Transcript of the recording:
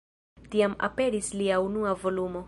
Tiam aperis lia unua volumo.